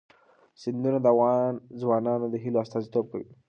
سیندونه د افغان ځوانانو د هیلو استازیتوب کوي.